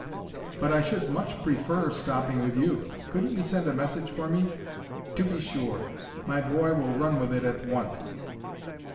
"But I should much prefer stopping with you. Couldn't you send a message for me?" "To be sure. My boy will run with it at once."